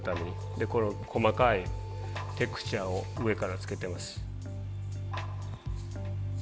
でこれを細かいテクスチャーを上からつけてます。